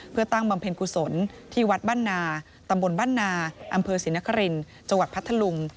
เพื่อตั้งบำเพ็ญกุศลที่วัดบ้านนาตำบลบ้านนาอำเภอศรีนครินจังหวัดพัทธลุง